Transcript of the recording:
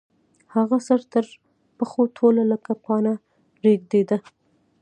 هغه سر تر پښو ټوله لکه پاڼه رېږدېده.